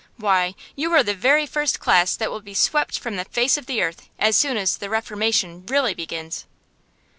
Why, you are the very first class that will be swept from the face of the earth as soon as the reformation really begins!